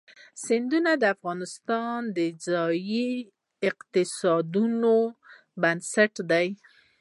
سیندونه د افغانستان د ځایي اقتصادونو بنسټ دی.